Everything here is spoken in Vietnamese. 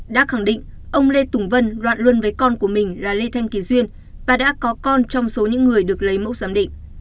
đã khẳng định ông lê tùng vân đoạn luân với con của mình là lê thanh kỳ duyên và đã có con trong số những người được lấy mẫu giám định